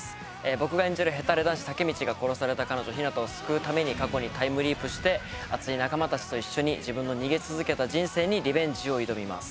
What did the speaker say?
僕が演じるヘタレ男子武道が殺された彼女日向を救うために過去にタイムリープして熱い仲間たちと一緒に自分の逃げ続けた人生にリベンジを挑みます。